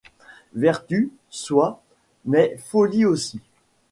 Vertu, soit, mais folie aussi.